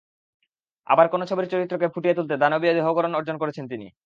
আবার কোনো ছবির চরিত্রকে ফুটিয়ে তুলতে দানবীয় দেহগড়ন অর্জন করছেন তিনি।